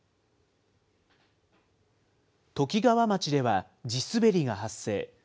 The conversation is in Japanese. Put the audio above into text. ときがわ町では地滑りが発生。